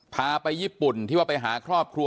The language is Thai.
พาไปญี่ปุ่นที่ว่าไปหาครอบครัว